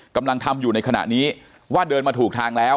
กำลังทำอยู่ในขณะนี้ว่าเดินมาถูกทางแล้ว